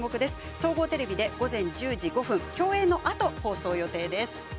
総合テレビで午前１０時５分競泳のあと、放送予定です。